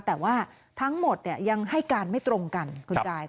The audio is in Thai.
แต่ว่าทั้งหมดยังให้การไม่ตรงกันคุณกาย